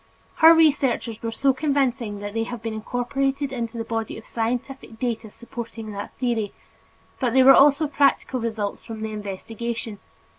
Her researches were so convincing that they have been incorporated into the body of scientific data supporting that theory, but there were also practical results from the investigation.